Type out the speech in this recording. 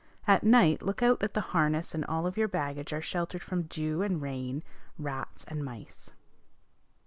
At night look out that the harness and all of your baggage are sheltered from dew and rain, rats and mice.